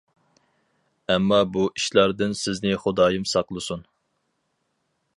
ئەمما بۇ ئىشلاردىن سىزنى خۇدايىم ساقلىسۇن.